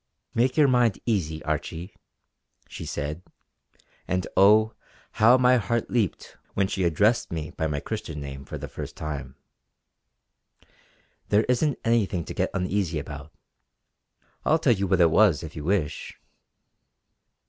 "Make your mind easy, Archie" she said, and oh! how my heart leaped when she addressed me by my Christian name for the first time. "There isn't anything to get uneasy about. I'll tell you what it was if you wish."